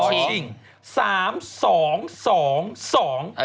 แต่ทำไม